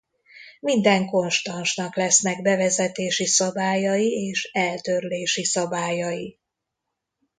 Minden konstansnak lesznek bevezetési szabályai és eltörlési szabályai.